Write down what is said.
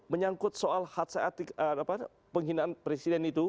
menyangkut soal hatsai artikel len itu